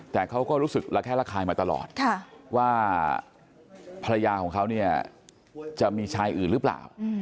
แต่เขาก็รู้สึกระแคะระคายมาตลอดว่าภรรยาของเขาเนี่ยจะมีชายอื่นหรือเปล่า